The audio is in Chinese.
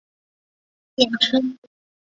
九条辅实在宽文九年的长子。